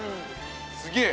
すげえ！